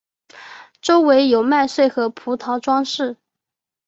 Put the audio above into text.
周围有麦穗和葡萄装饰。